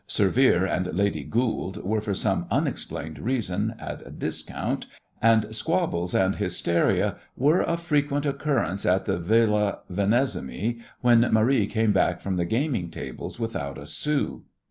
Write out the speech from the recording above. "Sir Vere and Lady Goold" were for some unexplained reason at a discount, and squabbles and hysteria were of frequent occurrence at the Villa Menesimy when Marie came back from the gaming tables without a sou.